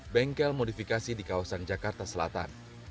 bengkel modifikasi di kawasan jakarta selatan